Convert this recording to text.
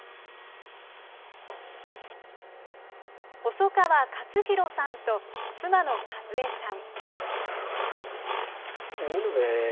細川勝弘さんと妻のかずゑさん。